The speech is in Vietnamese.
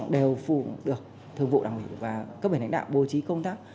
đều phụ được thượng vụ đảng ủy và các bệnh lãnh đạo bố trí công tác